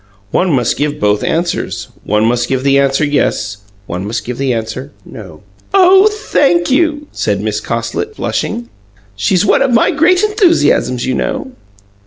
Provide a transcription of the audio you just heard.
"One must give both answers. One must give the answer, yes; one must give the answer, no." "Oh, THANK you!" said Miss Cosslit, blushing. "She's one of my great enthusiasms, you know."